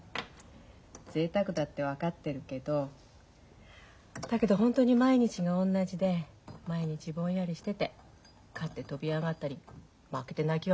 ぜいたくだって分かってるけどだけど本当に毎日が同じで毎日ぼんやりしてて勝って跳び上がったり負けて泣きわめいたりなんて思い